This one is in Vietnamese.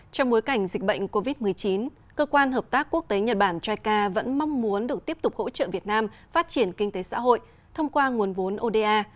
trong bối cảnh dịch bệnh covid một mươi chín cơ quan hợp tác quốc tế nhật bản jica vẫn mong muốn được tiếp tục hỗ trợ việt nam phát triển kinh tế xã hội thông qua nguồn vốn oda